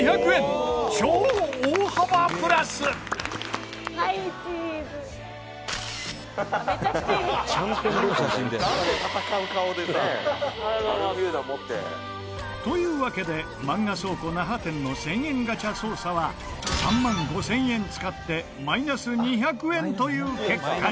超大幅プラス。というわけでマンガ倉庫那覇店の１０００円ガチャ捜査は３万５０００円使ってマイナス２００円という結果に。